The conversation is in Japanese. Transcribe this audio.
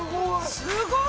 すごい！